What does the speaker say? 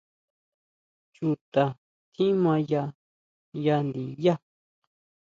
¿Chuta tjimaya ya ndiyá?